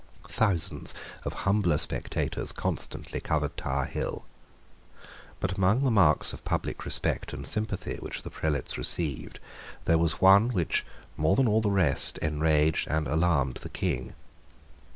Thousands of humbler spectators constantly covered Tower Hill. But among the marks of public respect and sympathy which the prelates received there was one which more than all the rest enraged and alarmed the King.